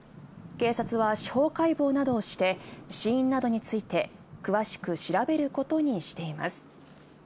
警察は司法解剖などをして、死因などについて、詳しく調べることにしています。